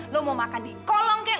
lo mau makan di kolong kek